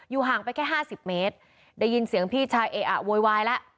อยู่ห่างไปแค่๕๐เมตรได้ยินเสียงพี่ชายเอะโวยแล้ว